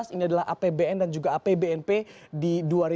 ini adalah apbn dan juga apbnp di dua ribu dua puluh